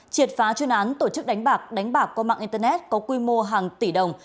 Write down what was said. triệt phá chuyên án tổ chức đánh bạc đánh bạc qua mạng internet có quy mô hàng tỷ đồng